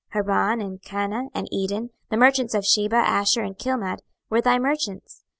26:027:023 Haran, and Canneh, and Eden, the merchants of Sheba, Asshur, and Chilmad, were thy merchants.